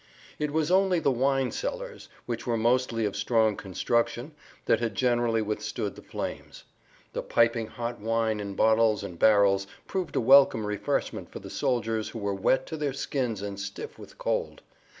It was only the wine cellars, which were mostly of strong construction, that had generally withstood the flames. The piping hot wine in bottles and barrels, proved a welcome refreshment for the soldiers who were wet to their skins and stiff with cold.